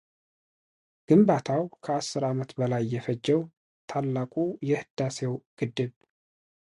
ግንባታው ከአስር ዓመት በላይ የፈጀው ታላቁ የሕዳሴ ግድብ